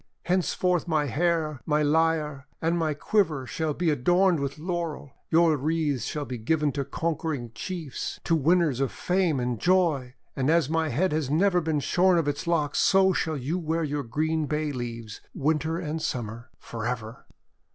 Henceforth my hair, my lyre, and my quiver shall be adorned with Laurel. Your wreaths shall be given to conquering chiefs, to winners of fame and joy; and as my head has never been shorn of its locks, so shall you wear your green bay leaves, Winter and Summer — for ever!'